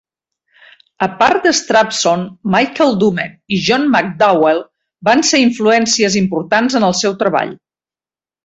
A part de Strawson, Michael Dummet i John McDowell van ser influències importants en el seu treball.